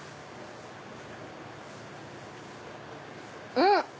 うん！